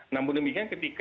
namun demikian ketika